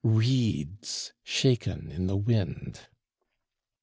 Reeds shaken in the wind!